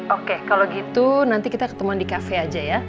oke kalau gitu nanti kita ketemuan di cafe aja ya